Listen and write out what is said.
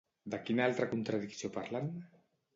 De quina altra contradicció parlen?